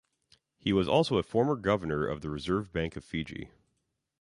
He was also a former Governor of the Reserve Bank of Fiji.